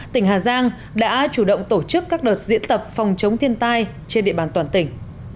tỉnh hà giang đã chủ động tổ chức các đợt diễn tập phòng chống thiên tai trên địa bàn toàn tỉnh